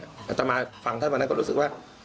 อัตมาฟังท่านวันนั้นก็รู้สึกว่า